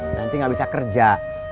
nanti gak bisa kerja